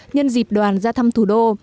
nhân dịp đoàn ra thăm thủ đô